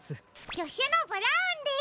じょしゅのブラウンです。